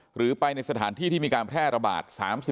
หรือไปในสถานที่ที่มีการแพร่ระบาด๓๔